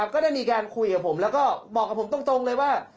ก็ได้มีการคุยกับผมแล้วก็บอกกับผมตรงเลยว่า